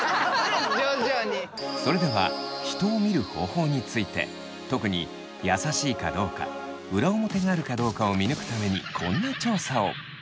それでは人を見る方法について特に優しいかどうか裏表があるかどうかを見抜くためにこんな調査を。